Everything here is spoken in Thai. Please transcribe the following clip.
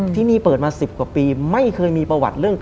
ที่นี่เปิดมา๑๐กว่าปีไม่เคยมีประวัติเรื่อง